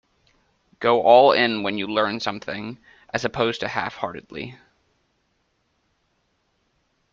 Go all in when you learn something, as opposed to half-heartedly.